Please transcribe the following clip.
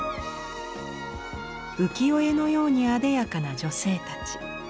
浮世絵のようにあでやかな女性たち。